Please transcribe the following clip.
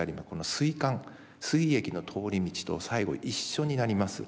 すい管すい液の通り道と最後一緒になります。